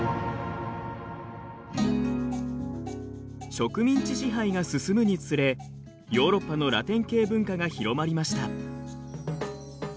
植民地支配が進むにつれヨーロッパのラテン系文化が広まりました。